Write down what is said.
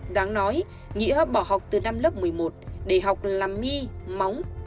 đáng nói nghĩa bỏ học từ năm lớp một mươi một để học làm my móng